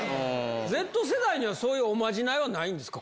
Ｚ世代には、そういうおまじないはないんですか？